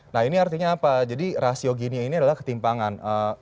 nah ini artinya apa jadi rasio gini ini adalah ketimpangan